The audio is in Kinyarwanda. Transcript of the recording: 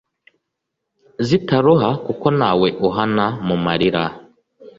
zitaruha, kuko ntawe uhana mu marira